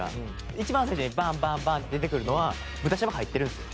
一番最初にバンバンバンッて出てくるのは豚しゃぶ入ってるんですよ。